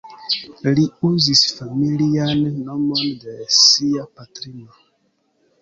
Li uzis familian nomon de sia patrino.